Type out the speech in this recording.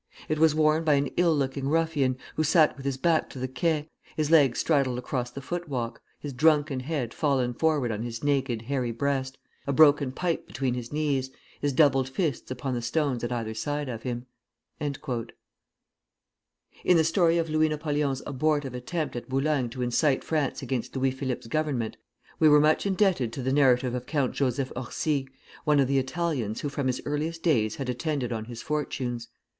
It was worn by an ill looking ruffian, who sat with his back to the Quai, his legs straddled across the foot walk, his drunken head fallen forward on his naked, hairy breast, a broken pipe between his knees, his doubled fists upon the stones at either side of him." In the story of Louis Napoleon's abortive attempt at Boulogne to incite France against Louis Philippe's Government, we were much indebted to the narrative of Count Joseph Orsi, one of the Italians who from his earliest days had attended on his fortunes.